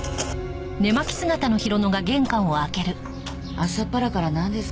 朝っぱらからなんですか？